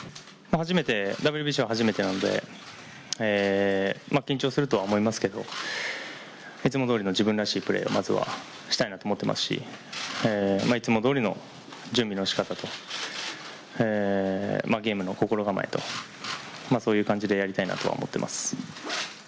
ＷＢＣは初めてなので、緊張するとは思いますけど、いつもどおりの自分らしいプレーをまずはしたいなと思ってますしいつもどおりの準備のしかたとゲームの心構えと、そういう感じでやりたいなとは思っています。